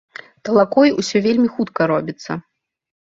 Талакой усё вельмі хутка робіцца.